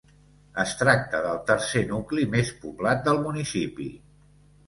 Es tracta del tercer nucli més poblat del municipi.